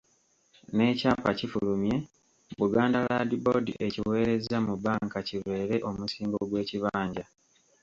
Ng’ekyapa kifulumye, Buganda Land Board ekiweereza mu bbanka kibeere omusingo gw’ekibanja.